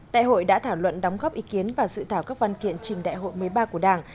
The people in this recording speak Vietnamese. đại hội đã thảo luận đóng góp ý kiến và dự thảo các văn kiện trình đại hội một mươi ba của đảng